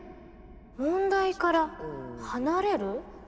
問題から離れる？